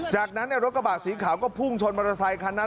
จากนั้นรถกระบะสีขาวก็พุ่งชนมอเตอร์ไซคันนั้น